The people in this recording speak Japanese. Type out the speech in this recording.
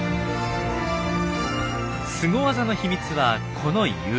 スゴワザの秘密はこの指。